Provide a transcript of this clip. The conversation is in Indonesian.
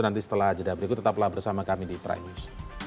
nanti setelah jeda berikut tetaplah bersama kami di prime news